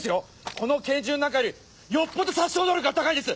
この拳銃なんかよりよっぽど殺傷能力が高いんです！